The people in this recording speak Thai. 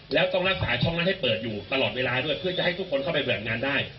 แล้วต้องรักษาช่องนั้นให้เปิดอยู่ตลอดเวลาด้วยเพื่อจะให้ทุกคนเข้าไปแบบนั้นได้